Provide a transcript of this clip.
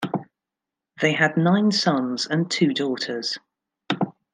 They had nine sons and two daughters.